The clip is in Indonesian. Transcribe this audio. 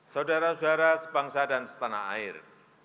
saudara saudara sebangsa dan setanah air